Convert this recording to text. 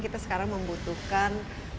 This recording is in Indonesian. kita sekarang membutuhkan